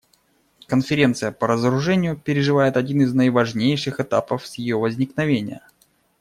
Конференция по разоружению переживает один из наиважнейших этапов с ее возникновения.